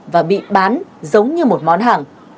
và bị bán giống như một món hàng